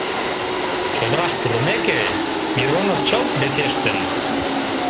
Чодыраш пурымеке, Миронов чылт весештын.